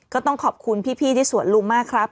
ก็ต้องขอบคุณพี่ที่สวนลุมมากครับ